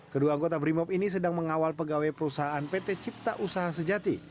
kedua anggota brimop ini sedang mengawal pegawai perusahaan pt cipta usaha sejati